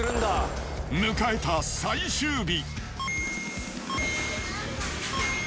迎えた最終日。